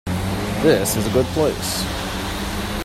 This is a good place!